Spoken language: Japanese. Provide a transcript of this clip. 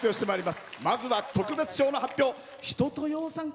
まずは特別賞の発表。